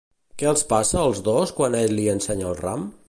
Què els passa als dos quan ell li ensenya el ram?